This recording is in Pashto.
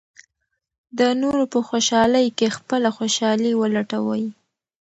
د نورو په خوشالۍ کې خپله خوشالي ولټوئ.